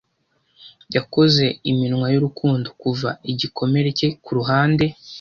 yakoze iminwa y'urukundo kuva igikomere cye kuruhande